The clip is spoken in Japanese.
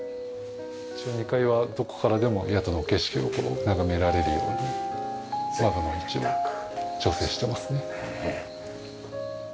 一応２階はどこからでも谷戸の景色を眺められるように窓の位置を調整してますね。